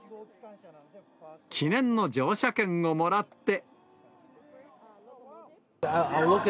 記念の乗車券をもらって。